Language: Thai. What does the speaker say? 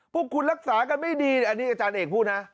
พวกคุณรักษากันไม่ดีอันนี้อาจารย์เอกพูดนะ